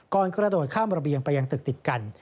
ก่อนกระโดดข้ามระเบียงไปยังตึกติดกัน